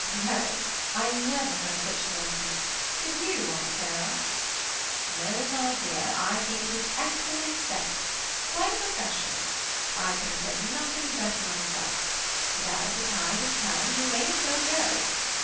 "Well! I never heard such nonsense; did you, Aunt Sarah?" "No, my dear, I think it is excellent sense, quite refreshing. I could have said nothing better myself, and as the tide has turned, you may as well go.